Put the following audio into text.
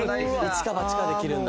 一か八かで切るんだ。